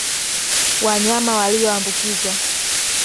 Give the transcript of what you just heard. wanyama walioambukizwa